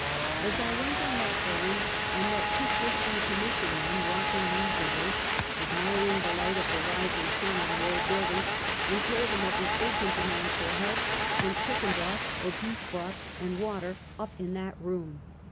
As I went on that errand, I met two Christian Commission men walking leisurely, admiring the light of the rising sun on the old buildings, and told them of the urgent demand for help, and chicken broth or beef broth and water up in that room.